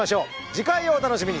次回をお楽しみに。